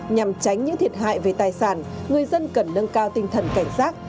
nhằm tránh những thiệt hại về tài sản người dân cần nâng cao tinh thần cảnh giác